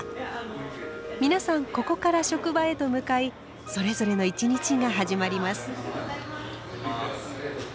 皆さんここから職場へと向かいそれぞれの一日が始まります。